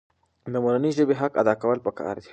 د مورنۍ ژبې حق ادا کول پکار دي.